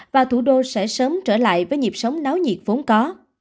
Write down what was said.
và thủ đô sẽ sớm trở lại với nhịp sống náo nhiệt vốn có